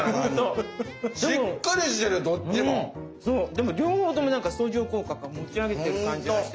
でも両方ともなんか相乗効果か持ち上げてる感じがして。